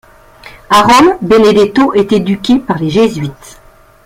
À Rome, Benedetto est éduqué par les Jésuites.